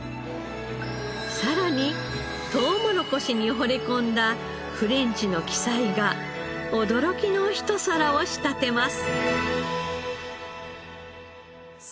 さらにとうもろこしに惚れ込んだフレンチの鬼才が驚きのひと皿を仕立てます。